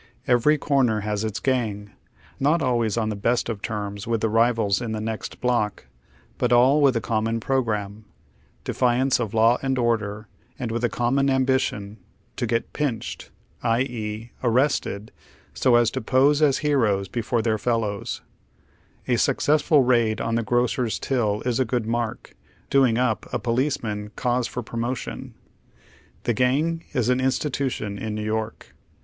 Every corner has its gang, not always on the best of terms with the rivals in the next block, but all with a common programme : defiance of law and order, and with a common ambition : to get " pinched," i.e., ar rested, so as to pose as heroes before their fellows. A ,y Google yl8 HOW THE OTHER HALF LIVES. successful raid on the grocer's till is a good mark, " doing up " a policeman canse for promotion. The gang ie an in stitution in New York.